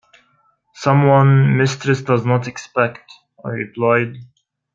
‘Some one mistress does not expect,’ I replied.